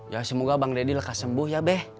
ya semoga bang deddy lekas sembuh ya be